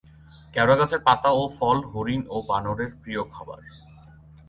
কেওড়া গাছের পাতা ও ফল হরিণ ও বানরের প্রিয় খাবার।